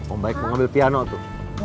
om baik mau ambil piano tuh